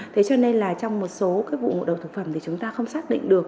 thế cho nên là trong một số cái vụ ngộ độc thực phẩm thì chúng ta không xác định được